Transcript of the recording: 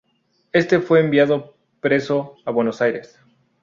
Éste fue enviado preso a Buenos Aires.